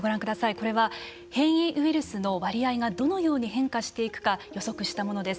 これは変異ウイルスの割合がどのように変化していくか予測したものです。